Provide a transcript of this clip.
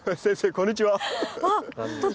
こんにちは。